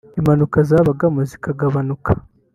impanuka zabagamo zikagabanuka